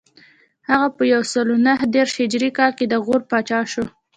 هغه په یو سل نهه دېرش هجري کال کې د غور پاچا شو